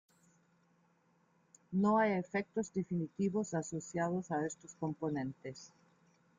No hay efectos definitivos asociados a estos componentes.